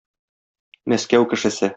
Мәскәү кешесе.